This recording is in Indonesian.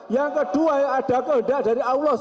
yang kedua yang ada kehendak dari allah